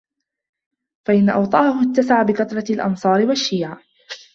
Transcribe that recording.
فَإِنْ أَوَطْأَهُ اتَّسَعَ بِكَثْرَةِ الْأَنْصَارِ وَالشِّيَعِ